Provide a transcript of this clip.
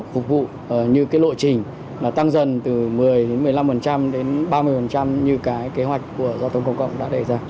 phục vụ như cái lộ trình tăng dần từ một mươi đến một mươi năm đến ba mươi như cái kế hoạch của giao thông công cộng đã đề ra